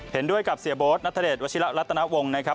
เห็นด้วยกับเสียโบ๊ทนัทเดชวัชิระรัตนวงนะครับ